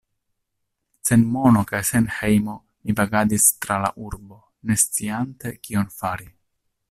Sen mono kaj sen hejmo mi vagadis tra la urbo, ne sciante kion fari...